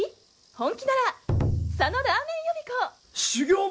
本気なら佐野らーめん予備校